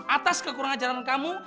atas kekurangan jalan kamu